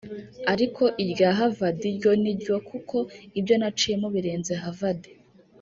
Ariko irya Havard ryo ni ryo kuko ibyo naciyemo birenze ’Harvard’